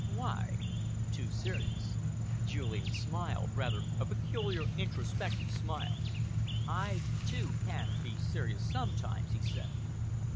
"Why?" "Too serious." Julian smiled rather a peculiar, introspective smile. "I, too, can, be serious sometimes," he said.